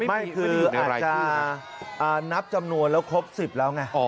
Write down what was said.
ไม่คืออาจจะนับจำนวนแล้วครบ๑๐แล้วไง